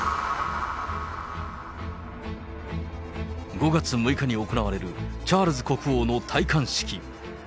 ５月６日に行われるチャールズ国王の戴冠式。